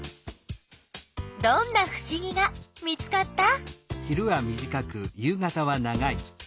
どんなふしぎが見つかった？